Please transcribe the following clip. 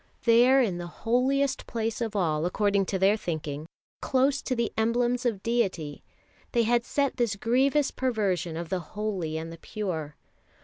There in the holiest place of all, according to their thinking, close to the emblems of deity, they had set this grievous perversion of the holy and the pure.